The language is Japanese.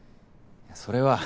それは。